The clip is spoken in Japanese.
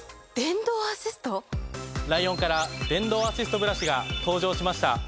ライオンから電動アシストブラシが登場しました。